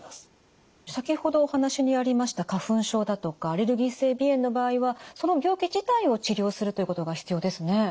先ほどお話にありました花粉症だとかアレルギー性鼻炎の場合はその病気自体を治療するということが必要ですね。